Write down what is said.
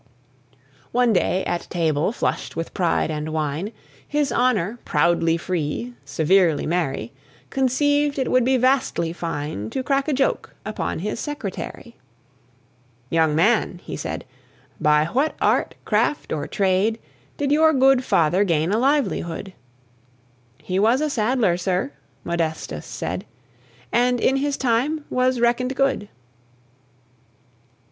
One day, at table, flushed with pride and wine, His honour, proudly free, severely merry, Conceived it would be vastly fine To crack a joke upon his secretary. "Young man," he said, "by what art, craft, or trade, Did your good father gain a livelihood?" "He was a saddler, sir," Modestus said, "And in his time was reckon'd good."